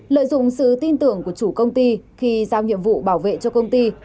lợi dụng sự tin tưởng của chủ công ty khi giao nhiệm vụ bảo vệ cho công ty